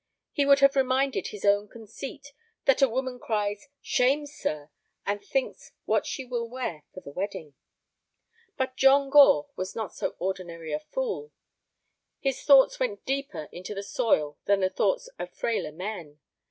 He would have reminded his own conceit that a woman cries, "Shame, sir!" and thinks what she will wear for the wedding. But John Gore was not so ordinary a fool. His thoughts went deeper into the soil than the thoughts of frailer men.